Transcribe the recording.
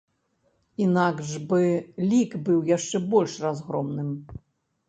Інакш бы лік быў яшчэ больш разгромным.